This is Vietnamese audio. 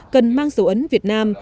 cần mang dấu ấn việt nam